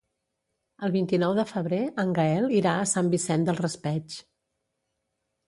El vint-i-nou de febrer en Gaël irà a Sant Vicent del Raspeig.